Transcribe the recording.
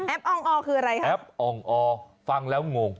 แอปอ้องอ้อคืออะไรครับแอปอ้องอ้อฟังแล้วงง